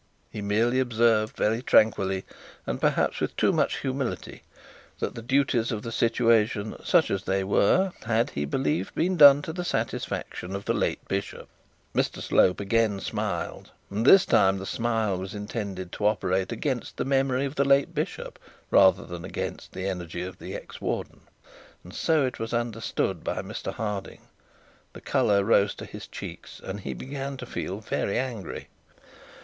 He merely observed, very tranquilly, and perhaps with too much humility, that the duties of the situation, such as they were, had, he believed, been done to the satisfaction of the late bishop. Mr Slope again smiled, and this time the smile was intended to operate against the memory of the late bishop, rather than against the energy of the ex warden; and so it was understood by Mr Harding. The colour rose in his cheeks, and he began to feel very angry.